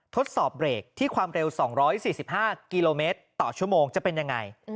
ทดสอบเบรกที่ความเร็ว๒๔๕กิโลเมตรต่อชั่วโมงจะเป็นยังไง